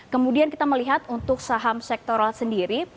kemudian kita melihat untuk saham sektoral sendiri